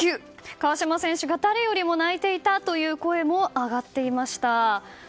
川島選手が誰よりも泣いていたという声も上がっていました。